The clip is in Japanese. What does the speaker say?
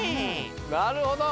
なるほど。